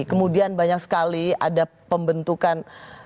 kemudian banyak sekali ada pembentukan